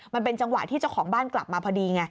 มันเป็นจังหวะที่เจ้าของบ้านกลับมาพอดีไง